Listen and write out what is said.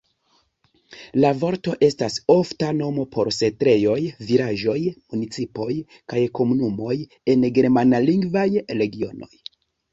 La vorto estas ofta nomo por setlejoj, vilaĝoj, municipoj kaj komunumoj en germanlingvaj regionoj.